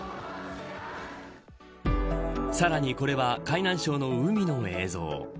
さらに、これは海南省の海の映像。